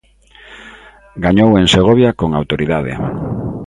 Gañou en Segovia con autoridade.